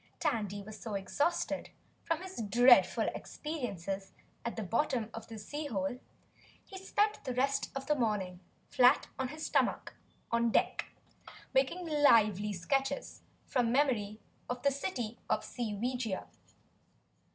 Tandy was so exhausted from his dreadful experiences at the bottom of the sea hole he spent the rest of the morning flat on his stomach on deck making lively sketches from memory of the City of Seeweegia.